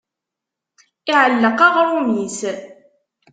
Iɛelleq uɣrum-is.